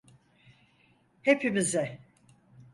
Hepimize.